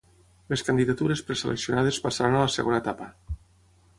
Les candidatures preseleccionades passaran a la segona etapa.